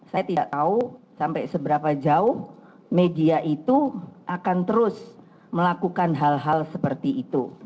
saya tidak tahu sampai seberapa jauh media itu akan terus melakukan hal hal seperti itu